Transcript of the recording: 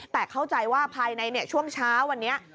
แต่เข้าใจว่าภายในช่วงเช้าวันนี้